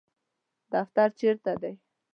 دفتر چیرته دی؟